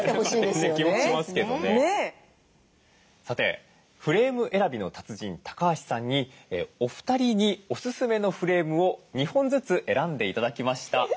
さてフレーム選びの達人橋さんにお二人にお勧めのフレームを２本ずつ選んで頂きました。